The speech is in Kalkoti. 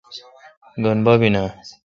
گین بب اؘ۔